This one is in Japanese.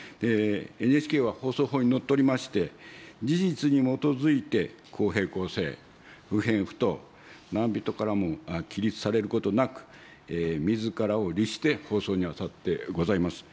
ＮＨＫは放送法にのっとりまして、事実に基づいて公平公正、不偏不党、何人からも規律されることなく、みずからを律して放送に当たってございます。